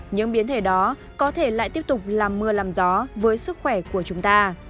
những biến thể đó có thể lại tiếp tục làm mưa làm gió với sức khỏe của chúng ta